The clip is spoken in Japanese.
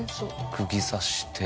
釘刺して。